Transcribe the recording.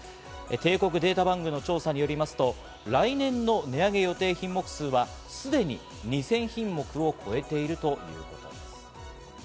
帝国データバンクの調査によりますと、来年の値上げ予定品目数はすでに２０００品目を超えているということです。